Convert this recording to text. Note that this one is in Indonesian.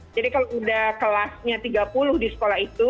jadi kalau udah kelasnya tiga puluh di sekolah itu